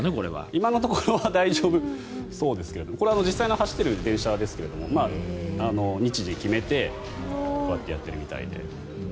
今のところは大丈夫そうですがこれ実際に走っている電車ですが日時を決めてこうやってやっているみたいで。